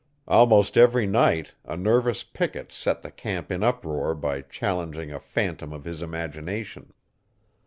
Almost every night a nervous picket set the camp in uproar by challenging a phantom of his imagination.